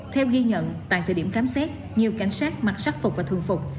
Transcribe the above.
theo ghi nhận tại thời điểm khám xét nhiều cảnh sát mặc sắc phục và thường phục